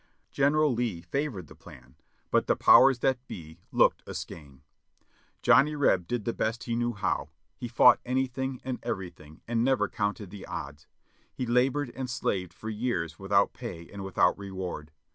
General Lee favored the plan, but the "powers that be" looked askance. Johnny Reb did the best he knew how; he fought anything and everything and never counted the odds ; he labored and slaved for years without pay and without reward.